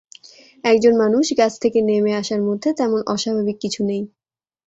একজন মানুষ গাছ থেকে নেমে আসার মধ্যে তেমন অস্বাভাবিক কিছু নেই।